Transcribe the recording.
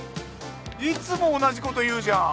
いつも同じこと言うじゃん。